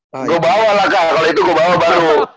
gua bawa lah kak kalo itu gua bawa baru